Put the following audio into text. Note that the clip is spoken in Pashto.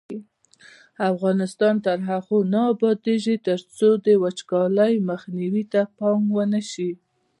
افغانستان تر هغو نه ابادیږي، ترڅو د وچکالۍ مخنیوي ته پام ونشي.